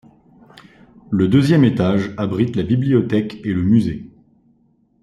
Le deuxième étage abrite la bibliothèque et le musée.